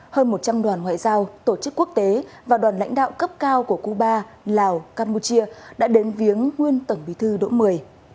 hơn một trăm linh đoàn ngoại giao tổ chức quốc tế và đoàn lãnh đạo cấp cao của cuba lào campuchia đã đến viếng nguyên tổng bí thư đỗ mười